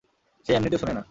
সে এমনিতেও শোনে না।